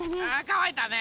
かわいたね。